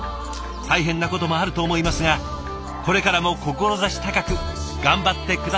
大変なこともあると思いますがこれからも志高く頑張って下さい。